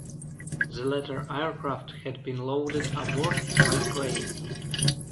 The latter aircraft had been loaded aboard by crane.